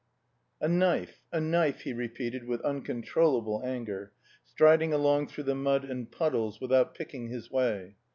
IV "A knife, a knife," he repeated with uncontrollable anger, striding along through the mud and puddles, without picking his way.